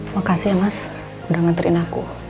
makasih ya mas udah nganterin aku